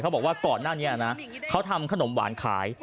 บอกว่าก่อนหน้านี้นะเขาทำขนมหวานขาย